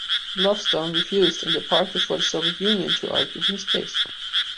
Lovestone refused and departed for the Soviet Union to argue his case.